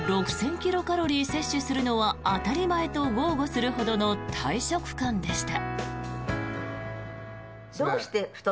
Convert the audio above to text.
キロカロリー摂取するのは当たり前と豪語するほどの大食漢でした。